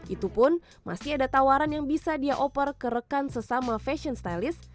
itu pun masih ada tawaran yang bisa dia oper ke rekan sesama fashion stylist